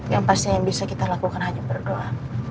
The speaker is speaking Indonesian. yang pasti yang bisa kita lakukan hanya berdoa